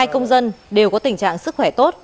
một mươi hai công dân đều có tình trạng sức khỏe tốt